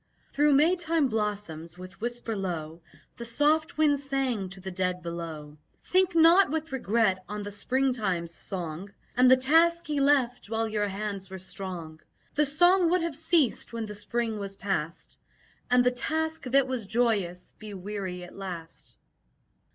Thro' May time blossoms, with whisper low, The soft wind sang to the dead below: "Think not with regret on the Springtime's song And the task ye left while your hands were strong. The song would have ceased when the Spring was past, And the task that was joyous be weary at last."